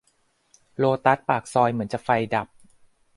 โลตัสปากซอยเหมือนจะไฟดับ